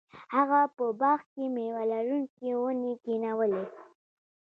هغه په باغ کې میوه لرونکې ونې کینولې.